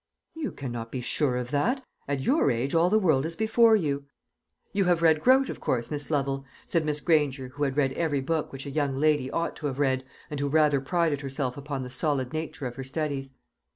"You cannot be sure of that; at your age all the world is before you." "You have read Grote, of course, Miss Lovel?" said Miss Granger, who had read every book which a young lady ought to have read, and who rather prided herself upon the solid nature of her studies.